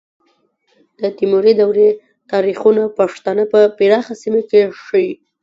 د تیموري دورې تاریخونه پښتانه په پراخه سیمه کې ښیي.